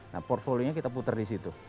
nah portfolio nya kita puter disitu